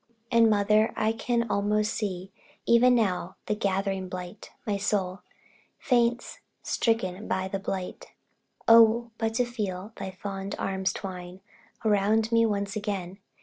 And, mother, I can almost see Even now the gathering blight my soul Faints, stricken by the blight. Oh, but to feel thy fond arms twine Around me, once again!